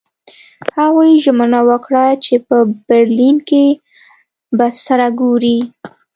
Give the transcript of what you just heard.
هغوی ژمنه وکړه چې په برلین کې به سره ګوري